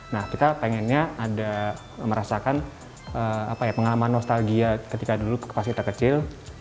nah kita pengennya ada merasakan pengalaman nostalgia ketika dulu pas kita kecil